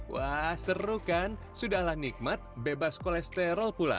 wah seru kan sudahlah nikmat bebas kolesterol pula